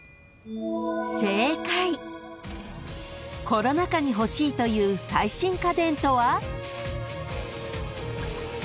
［コロナ禍に欲しいという最新家電とは？］